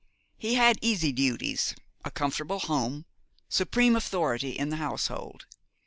He had easy duties, a comfortable home, supreme authority in the household.